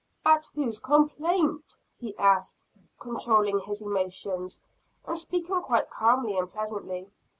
"At whose complaint?" he asked, controlling his emotions, and speaking quite calmly and pleasantly.